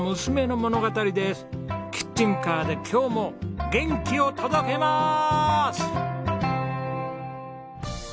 キッチンカーで今日も元気を届けます！